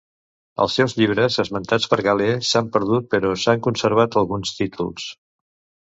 Els seus llibres, esmentats per Galè, s'han perdut, però s'han conservat alguns títols.